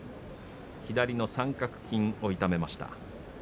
左の三角筋を痛めました。